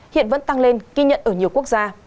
hiện vẫn tăng lên ghi nhận ở nhiều quốc gia